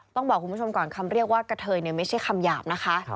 ต้องบอกคุณผู้ชมก่อนคำเรียกว่ากะเทยไม่ใช่คำหยาบนะคะ